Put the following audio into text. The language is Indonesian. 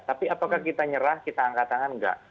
tapi apakah kita nyerah kita angkat tangan enggak